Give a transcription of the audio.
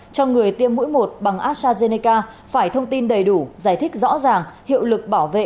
cho người tiêm mũi một bằng astrazeneca phải thông tin đầy đủ giải thích rõ ràng hiệu lực bảo vệ